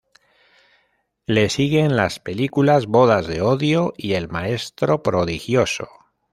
Le siguen las películas "Bodas de odio" y "El maestro prodigioso".